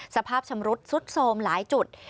สภาพชำรุดซุดโทรมหลายจุด